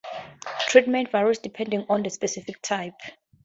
Treatment varies depending on the specific type.